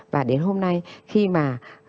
và đến hôm nay khi mà